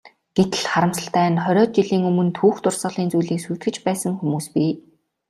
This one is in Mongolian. Гэтэл, харамсалтай нь хориод жилийн өмнө түүх дурсгалын зүйлийг сүйтгэж байсан хүмүүс бий.